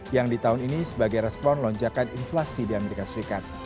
yang di tahun ini sebagai respon lonjakan inflasi di amerika serikat